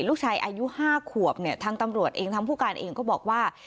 ลูกชายอายุ๕ขวบเนี่ยทางตำรวจเองทางผู้การเองก็บอกว่า